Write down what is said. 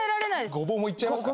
ゴボウもいっちゃいますか。